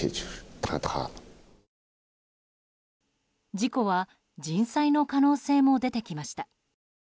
事故は人災の可能性も出てきました。